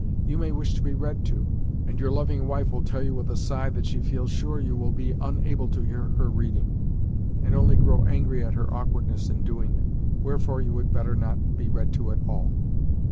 You may wish to be read to and your loving wife will tell you with a sigh that she feels sure you will be unable to hear her reading, and only grow angry at her awkwardness in doing it; wherefore you had better not be read to at all.